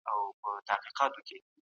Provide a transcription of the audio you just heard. ځیني سیاستوال، چي فکري ناروغي لري، د خلکو